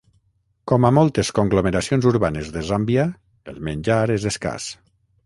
Com a moltes conglomeracions urbanes de Zàmbia, el menjar és escàs.